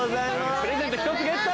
プレゼント１つゲット！